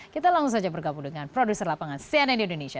kita langsung saja bergabung dengan produser lapangan cnn indonesia